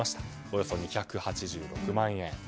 およそ２８６万円。